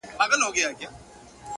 که مي دوی نه وای وژلي دوی وژلم٫